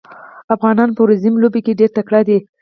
افغانان په رزمي لوبو کې ډېر تکړه دي.